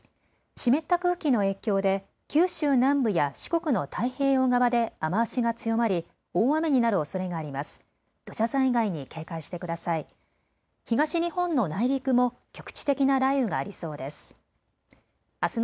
湿った空気の影響で九州南部や四国の太平洋側で雨足が強まり大雨になるおそれがあります。